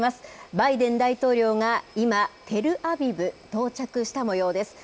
バイデン大統領が今、テルアビブ、到着したもようです。